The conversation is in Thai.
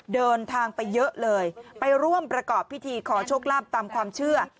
เดินทางไปเยอะเลยไปร่วมประกอบพิธีขอโชคลาภตามความเชื่อ